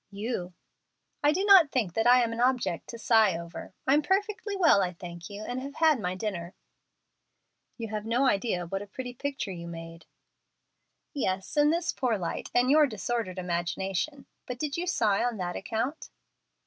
"You." "I do not think that I am an object to sigh over. I'm perfectly well, I thank you, and have had my dinner." "You have no idea what a pretty picture you made." "Yes, in this poor light, and your disordered imagination. But did you sigh on that account?"